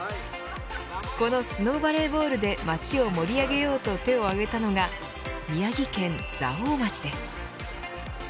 このスノーバレーボールで町を盛り上げようと手を上げたのが宮城県蔵王町です。